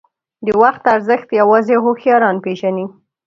• د وخت ارزښت یوازې هوښیاران پېژني.